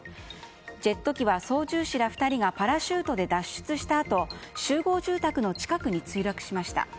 ジェット機は操縦士ら２人がパラシュートで脱出したあと集合住宅の近くに墜落しました。